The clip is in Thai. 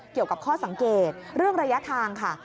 เกี่ยวกับข้อสังเกตเรื่องระยะทางค่ะ